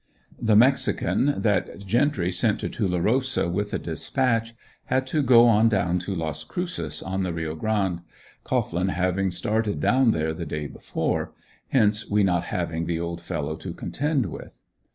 The mexican that Gentry sent to Tulerosa with the dispatch had to go on down to Las Cruces, on the Rio Grande, Cohglin having started down there the day before; hence we not having the old fellow to contend with.